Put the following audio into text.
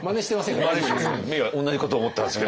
今同じこと思ったんですけど。